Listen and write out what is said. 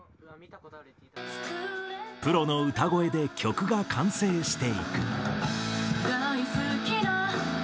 プロの歌声で曲が完成していく。